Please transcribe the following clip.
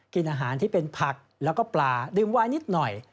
กินอาหารที่เป็นผักแล้วก็ปลาดื่มวายนิดหน่อย